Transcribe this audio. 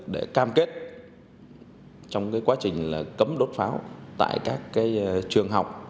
để cam kết trong quá trình cấm đốt pháo tại các trường học